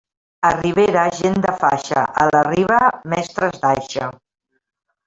A ribera, gent de faixa; a la riba, mestres d'aixa.